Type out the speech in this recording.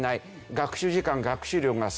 学習時間学習量が少ない。